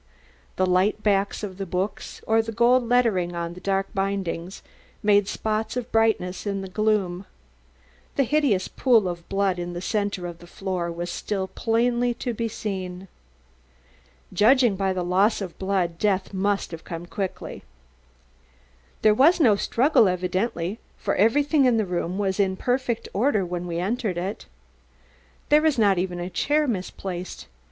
The light backs of the books, or the gold letters on the darker bindings, made spots of brightness in the gloom. The hideous pool of blood in the centre of the floor was still plainly to be seen. "Judging by the loss of blood, death must have come quickly." "There was no struggle, evidently, for everything in the room was in perfect order when we entered it." "There is not even a chair misplaced.